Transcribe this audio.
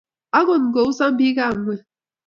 Agot ngo usa bikab ngony